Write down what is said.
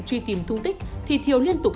truy tìm thương tích thì thiều liên tục